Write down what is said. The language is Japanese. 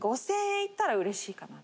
「５０００円いったら嬉しいかな」